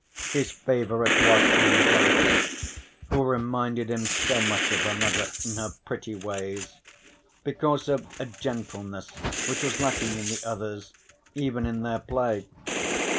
His favourite was Angelica (who reminded him so much of her mother in her pretty ways) because of a gentleness which was lacking in the others, even in their play.